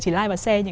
chỉ like và share